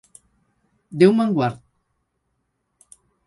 Déu me'n guard.